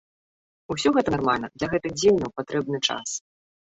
Усё гэта нармальна, для гэтых дзеянняў патрэбны час.